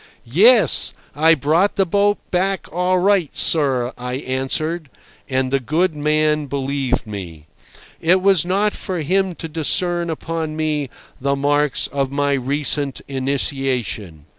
"Yes. I brought the boat back all right, sir," I answered. And the good man believed me. It was not for him to discern upon me the marks of my recent initiation.